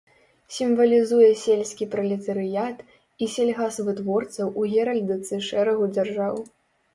Сімвалізуе сельскі пралетарыят і сельгасвытворцаў у геральдыцы шэрагу дзяржаў.